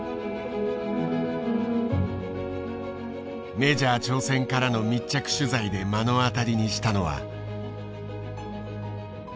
メジャー挑戦からの密着取材で目の当たりにしたのは。